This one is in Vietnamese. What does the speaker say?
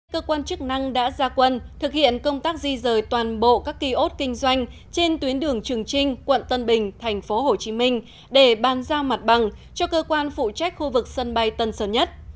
cơ quan chức năng đã ra quân thực hiện công tác di rời toàn bộ các ký ốt kinh doanh trên tuyến đường trường trinh quận tân bình thành phố hồ chí minh để ban giao mặt bằng cho cơ quan phụ trách khu vực sân bay tân sơn nhất